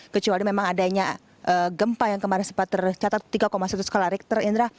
kecuali memang adanya gempa yang kemarin sempat tercatat tiga satu skala richter indra